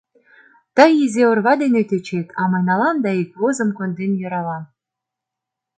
— Тый изи орва дене тӧчет, а мый налам да ик возым конден йӧралам.